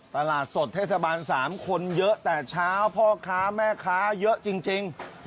ตลาดสดเทศบาล๓คนเยอะแต่เช้าพ่อค้าแม่ค้าเยอะจริง